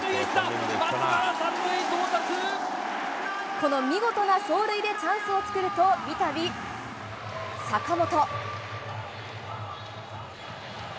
この見事な走塁でチャンスを作ると三度、坂本。